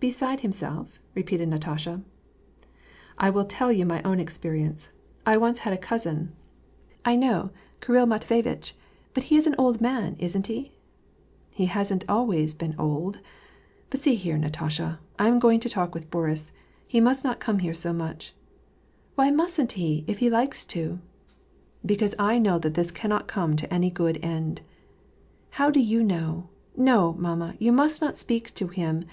"Beside himself ?" repeated Natasha. " I will tell you my own experience. 1 once had a cousin "— 196 WAR AND PEACE. " I know — Kirill Matveyitch, but he's an old man, isn't he ?"" He hasn't always been old ! But see here, Natasha, I am going to talk with Boris. He must not come here so much "—" Why mustn't he, if he likes to ?"'* Because I know that this cannot come to any good end." " How do you know ? No, mamma ! you must not speak to him.